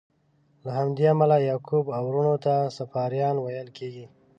له همدې امله یعقوب او وروڼو ته صفاریان ویل کیږي.